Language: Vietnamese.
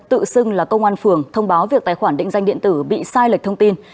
tự xưng là công an phường thông báo việc tài khoản định danh điện tử bị sai lệch thông tin